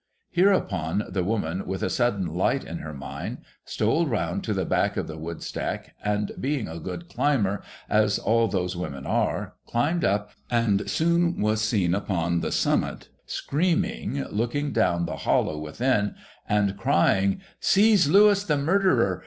Hereupon the woman, with a sudden light in her mind, stole round to the back of the wood stack, and, being a good climber, as all those women are, climbed up, and soon was seen upon the summit, screaming, looking down the hollow within, and crying, ' Seize Louis, the murderer